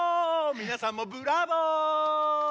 みなさんもブラボー！